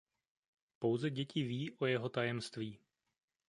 Pouze děti ví o jeho tajemství.